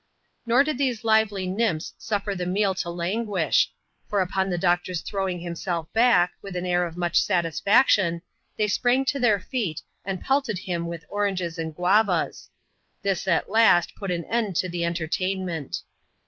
Nor did these lively nymphs suffer the meal to languish ; for 3ipon the doctor's throwing himself back, with an air of much satisfaction, they sprang to their feet, and pelted him with granges and guavas. This, at last, put an end to the enter tainment.